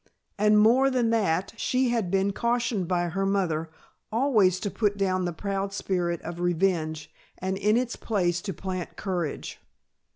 And more than that, she had been cautioned by her mother, always to put down the proud spirit of revenge and in its place to plant courage.